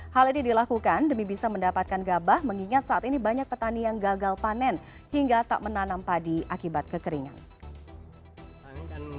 hal ini dilakukan demi bisa mendapatkan gabah mengingat saat ini banyak petani yang gagal panen hingga tak menanam padi akibat kekeringan